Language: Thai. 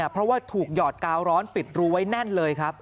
เพราะว่าถูกหยอดกาวร้อนปิดรูไว้แน่นเลยครับ